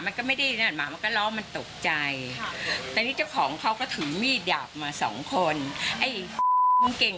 แต่ไม่ได้ถูกเขานะคะถ้ายิงอย่างนี้ถ้าเขาจะยิงจริง